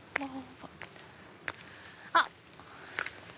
あっ。